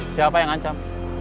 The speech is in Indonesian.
siapa yang ancam